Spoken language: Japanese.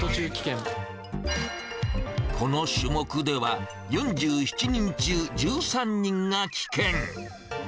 この種目では、４７人中１３人が棄権。